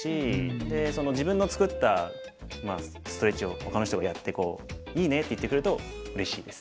でその自分のつくったストレッチをほかの人がやっていいねって言ってくれるとうれしいです。